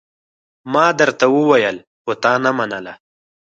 ما درته وويل خو تا نه منله!